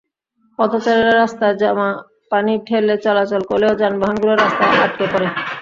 পথচারীরা রাস্তায় জমা পানি ঠেলে চলাচল করলেও যানবাহনগুলো রাস্তায় আটকে পড়ে।